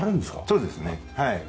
そうですねはい。